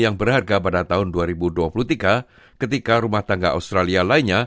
yang berharga pada tahun dua ribu dua puluh tiga ketika rumah tangga australia lainnya